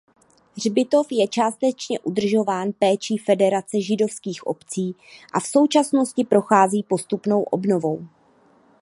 Hřbitov je částečně udržován péčí Federace židovských obcí a v současnosti prochází postupnou obnovou.